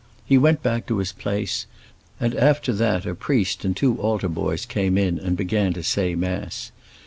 He went back to his place, and after that a priest and two altar boys came in and began to say mass.